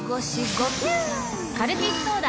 カルピスソーダ！